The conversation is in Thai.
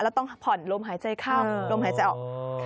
แล้วต้องผ่อนลมหายใจเข้าลมหายใจออก